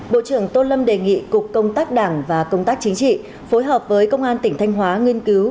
bộ trưởng tô lâm đề nghị cục công tác đảng và công tác chính trị phối hợp với công an tỉnh thanh hóa nghiên cứu